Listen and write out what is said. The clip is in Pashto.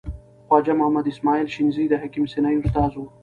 خواجه محمد اسماعیل شنیزی د حکیم سنایی استاد و.